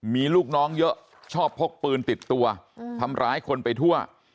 มีลูกน้องเยอะชอบพกปืนติดตัวทำร้ายคนไปทั่ว